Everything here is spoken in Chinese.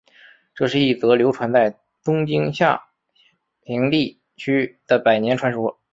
这是一则流传在东京下町地区的百年传说。